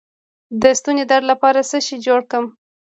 د ستوني درد لپاره څه شی ګډ کړم؟